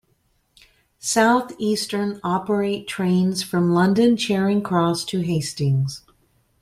Southeastern operate trains from London Charing Cross to Hastings.